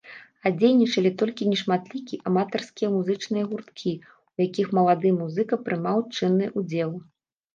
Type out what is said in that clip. А дзейнічалі толькі нешматлікі аматарскія музычныя гурткі, у якіх малады музыка прымаў чынны ўдзел.